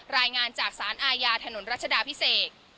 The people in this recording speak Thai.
รายงานจากสารอาญาถนนรัชดาพิเศษ